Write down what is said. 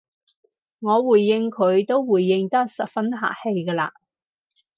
我回應佢都回應得十分客氣㗎喇